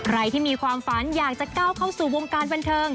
ใครที่มีความฝันอยากจะก้าวเข้าสู่วงการบันเทิง